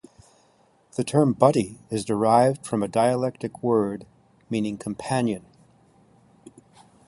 The term butty is derived from a dialect word meaning companion.